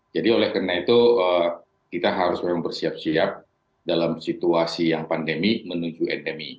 jadi oleh karena itu kita harus bersiap siap dalam situasi yang pandemi menuju endemi